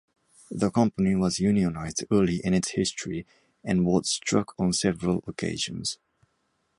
The company was unionized early in its history and was struck on several occasions.